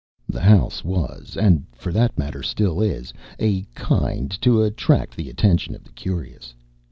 The house was and for that matter still is of a kind to attract the attention of the curious.